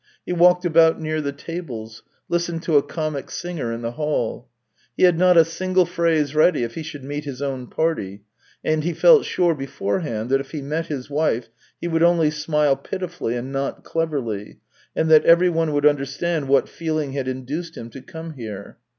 He walked about near the tables; listened to a comic singer in the hall. He had not a single phrase ready if he should meet his own party; and he felt sure beforehand that if he met his wife, he would only smile pitifully and not cleverly, and that everyone would understand what feeling had induced him to come here.